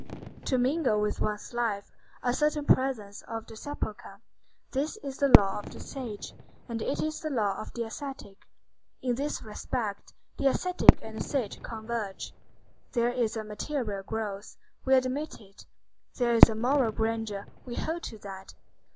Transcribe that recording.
To mingle with one's life a certain presence of the sepulchre,—this is the law of the sage; and it is the law of the ascetic. In this respect, the ascetic and the sage converge. There is a material growth; we admit it. There is a moral grandeur; we hold to that.